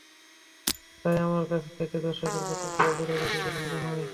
তাই আমার কাছ থেকে দর্শকের প্রত্যাশাও বেড়ে গেছে বলে মনে হয়।